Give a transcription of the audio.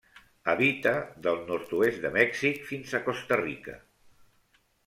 Habita del nord-oest de Mèxic fins a Costa Rica.